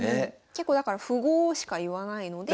結構だから符号しか言わないので。